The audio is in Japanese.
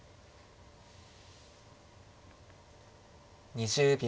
２０秒。